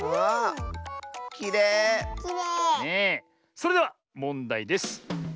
それではもんだいです。